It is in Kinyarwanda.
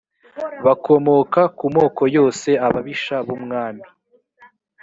bakomoka mu moko yose ababisha b umwami